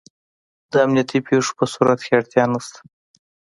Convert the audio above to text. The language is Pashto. د امنیتي پېښو په صورت کې اړتیا نشته.